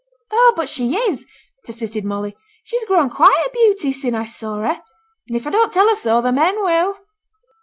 'Oh! but she is,' persisted Molly. 'She's grown quite a beauty sin' I saw her. And if I don't tell her so, the men will.'